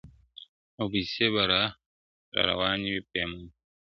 • او پیسې به را رواني وي پرېماني -